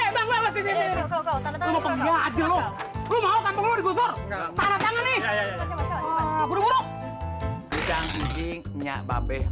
lu mau kampung lu digusur tarah tangan nih